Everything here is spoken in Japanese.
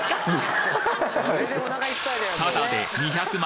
ただで２００枚